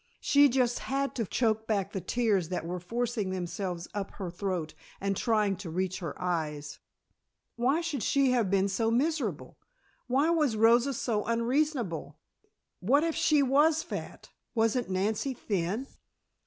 She just had to choke back the tears that were forcing themselves up her throat and trying to reach her eyes. Why should she have been made so miserable? Why was Rosa so unreasonable? What if she was fat, wasn't Nancy thin?